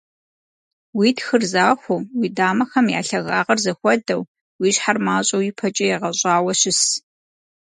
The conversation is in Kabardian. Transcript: Уи тхыр захуэу, уи дамэхэм я лъагагъыр зэхуэдэу, уи щхьэр мащӀэу ипэкӀэ егъэщӀауэ щыс.